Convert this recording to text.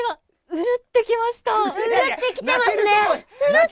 うるってきました。